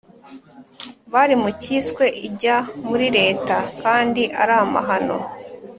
bari mu cyiswe ijya muri leta kandi ari amahano